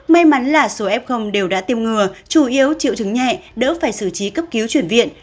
may mắn là số f đều đã tiêm ngừa chủ yếu triệu chứng nhẹ đỡ phải xử trí cấp cứu chuyển viện